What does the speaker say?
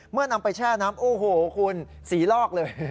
นำไปแช่น้ำโอ้โหคุณสีลอกเลย